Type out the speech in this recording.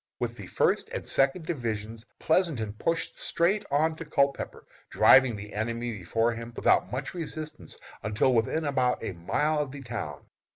With the First and Second divisions Pleasonton pushed straight on to Culpepper, driving the enemy before him without much resistance until within about a mile of the town.